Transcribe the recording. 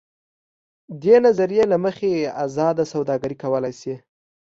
دې نظریې له مخې ازاده سوداګري کولای شي.